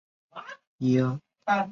日本国内指定史迹。